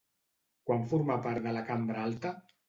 Quan formà part de la cambra alta?